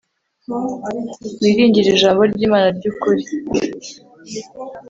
wiringire ijambo ry imana ry ukuri